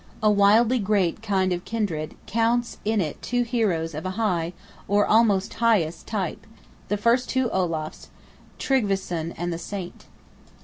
A wildly great kind of kindred; counts in it two Heroes of a high, or almost highest, type: the first two Olafs, Tryggveson and the Saint.